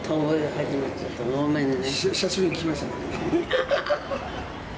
・久しぶりに聞きました。